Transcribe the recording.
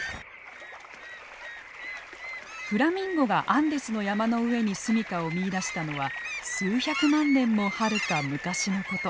フラミンゴがアンデスの山の上に住みかを見いだしたのは数百万年もはるか昔のこと。